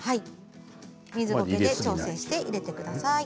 水ゴケで調整して入れてください。